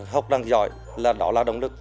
học đang giỏi là đó là động lực